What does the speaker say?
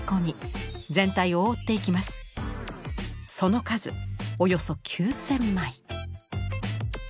その数およそ９，０００枚！